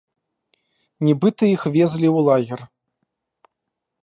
Нібыта іх везлі ў лагер.